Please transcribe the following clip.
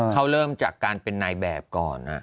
เขาเริ่มจากการเป็นนายแบบก่อน